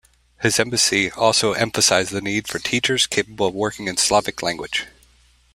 His embassy also emphasized the need for "teachers" capable of working in Slavic language.